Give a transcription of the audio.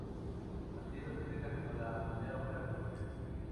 Ha sido descrita como la "primera ópera cómica".